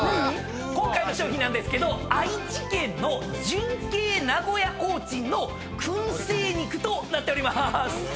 今回の賞品なんですけど愛知県の純系名古屋コーチンの燻製肉となっておりまーす。